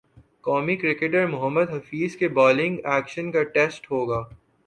قومی کرکٹر محمد حفیظ کے bowling action کا ٹیسٹ ہو گا